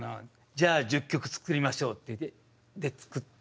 「じゃあ１０曲作りましょう」って作って。